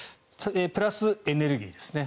プラス、エネルギーですね。